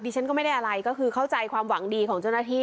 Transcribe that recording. ฉันก็ไม่ได้อะไรก็คือเข้าใจความหวังดีของเจ้าหน้าที่